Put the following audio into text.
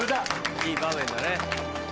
いい場面だね。